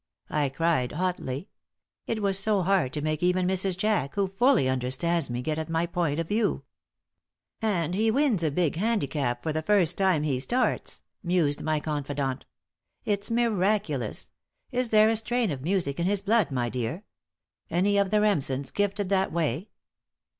I cried, hotly. It was so hard to make even Mrs. Jack, who fully understands me, get at my point of view. "And he wins a big handicap the first time he starts," mused my confidante. "It's miraculous! Is there a strain of music in his blood, my dear? Any of the Remsens gifted that way?"